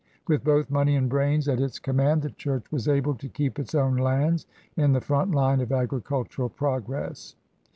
With both money and brains at its conmiand, the Church was able to keep its own lands in the front line of agricultural progress.